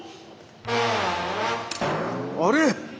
あれ？